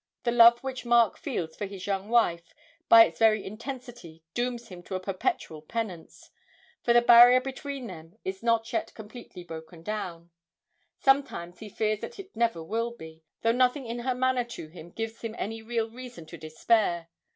The love which Mark feels for his young wife, by its very intensity dooms him to a perpetual penance. For the barrier between them is not yet completely broken down; sometimes he fears that it never will be, though nothing in her manner to him gives him any real reason to despair.